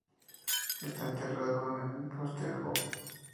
Está enterrado en Prostějov.